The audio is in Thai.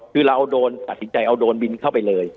คือเราเอาโดรนตัดสินใจเอาโดรนบินเข้าไปเลย